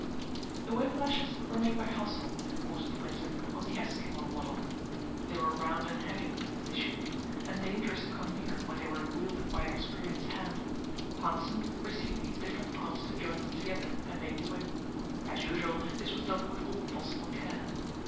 The whip lashes were made by Hassel, in the course of the winter, on the Eskimo model. They were round and heavy as they should be and dangerous to come near, when they were wielded by an experienced hand. Hanssen received these different parts to join them together and make the whip. As usual, this was done with all possible care.